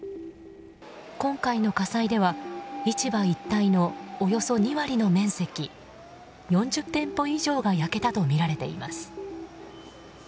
今回の火災では市場一帯のおよそ２割の面積４０店舗以上が焼けたとみられています。